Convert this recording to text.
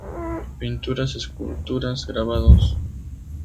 Pinturas, Esculturas, Grabados"".